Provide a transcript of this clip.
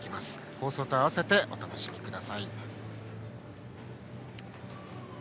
放送と併せてお楽しみください。